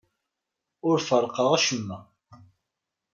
Ur ferrqeɣ acemma.